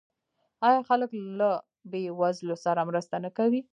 آیا خلک له بې وزلو سره مرسته نه کوي؟